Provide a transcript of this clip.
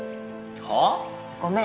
はあ！？ごめん。